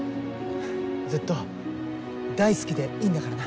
ずっと大好きでいいんだからな。